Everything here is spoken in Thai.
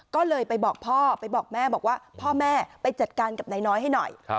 ก็เลยไปบอกพ่อไปบอกแม่บอกว่าพ่อแม่ไปจัดการกับนายน้อยให้หน่อย